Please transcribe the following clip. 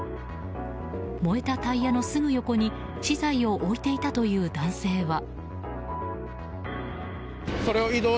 燃えたタイヤのすぐ横に資材を置いていたという男性は。